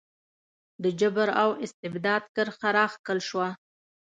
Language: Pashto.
د جبر او استبداد کرښه راښکل شوه.